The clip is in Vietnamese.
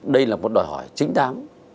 đây là một đòi hỏi chính đáng